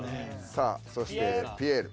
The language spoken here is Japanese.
さあそしてピエール。